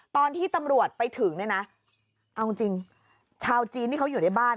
ตอนที่ตำรวจไปถึงเนี่ยนะเอาจริงชาวจีนที่เขาอยู่ในบ้าน